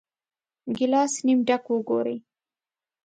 ګیلاس نیم ډک وګورئ.